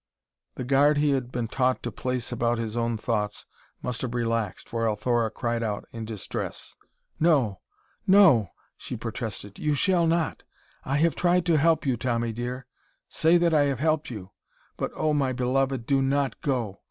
The guard he had been taught to place about his own thoughts must have relaxed, for Althora cried out in distress. "No no!" she protested; "you shall not! I have tried to help you, Tommy dear say that I have helped you! but, oh, my beloved, do not go.